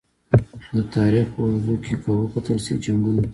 د تاریخ په اوږدو کې که وکتل شي! جنګونه تل